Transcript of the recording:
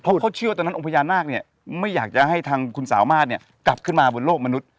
เพราะเขาเชื่อตอนนั้นองค์พญานาคเนี่ยไม่อยากจะให้ทางคุณสามารถเนี่ยกลับขึ้นมาบนโลกมนุษย